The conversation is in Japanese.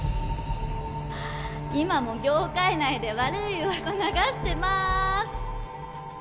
今も業界内で悪い噂流してます！